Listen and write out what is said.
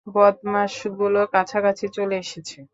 বদমাশগুলো কাছাকাছি চলে এসেছে!